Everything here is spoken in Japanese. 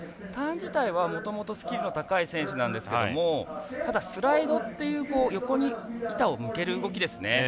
ターン自体はもともとスキルの高い選手なんですけどただ、スライドっていう横に板を向ける動きですね。